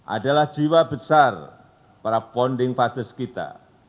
adalah jiwa besar para founding fathers kita